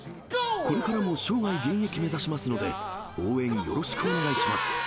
これからも生涯現役目指しますので、応援よろしくお願いします。